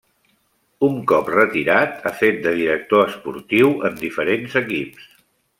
Un cop retirat ha fet de director esportiu en diferents equips.